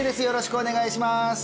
よろしくお願いします